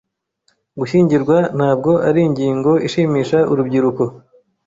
Gushyingirwa ntabwo ari ingingo ishimisha urubyiruko.